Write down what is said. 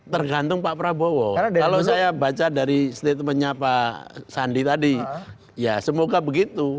tergantung pak prabowo kalau saya baca dari statementnya pak sandi tadi ya semoga begitu